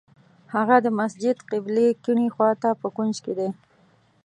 هغه د مسجد قبلې کیڼې خوا ته په کونج کې دی.